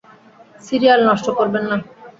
Serial নষ্ট করবেন না।